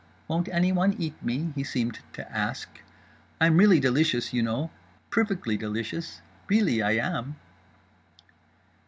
Won't anyone eat me?—he seemed to ask.—I'm really delicious, you know, perfectly delicious, really I am.